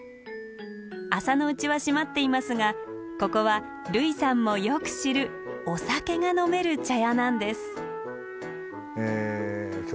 朝のうちは閉まっていますがここは類さんもよく知るお酒が飲める茶屋なんです。